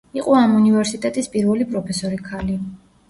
იყო ამ უნივერსიტეტის პირველი პროფესორი ქალი.